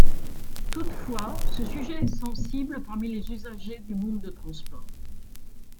Toutefois, ce sujet est sensible parmi les usagers de monde de transport.